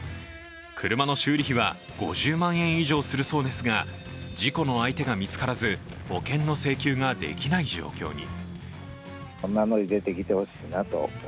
車の修理費は５０万円以上するそうですが、事故の相手が見つからず、保険の請求ができない状況に。